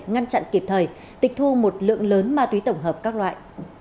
ngăn chặn kịp thời tịch thu một lượng lớn ma túy tổng hợp các loại